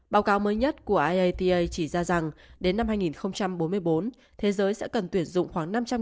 báo cáo mới nhất của irata chỉ ra rằng đến năm hai nghìn bốn mươi bốn thế giới sẽ cần tuyển dụng khoảng năm trăm linh